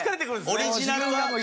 オリジナルが。